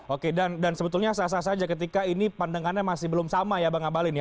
oke dan sebetulnya sah sah saja ketika ini pandangannya masih belum sama ya bang abalin ya